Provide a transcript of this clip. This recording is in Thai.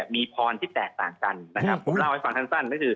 มีพรที่แตกต่างกันเราเล่าให้ฟังทั้งสั้น